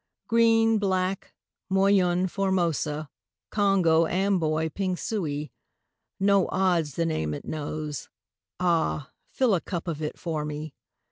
Green, Black, Moyune, Formosa, Congou, Amboy, Pingsuey No odds the name it knows ah! Fill a cup of it for me!